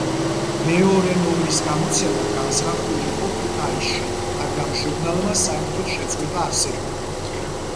მეორე ნომრის გამოცემა განზრახული იყო ქუთაისში, მაგრამ ჟურნალმა საერთოდ შეწყვიტა არსებობა.